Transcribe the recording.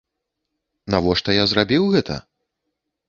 Навошта я зрабіў гэта?